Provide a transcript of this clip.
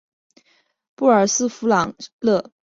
布尔斯弗朗勒沙皮人口变化图示